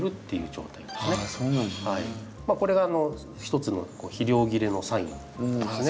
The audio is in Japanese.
これが一つの肥料切れのサインですね。